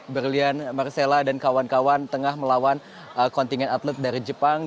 berlian marcella dan kawan kawan tengah melawan kontingen atlet dari jepang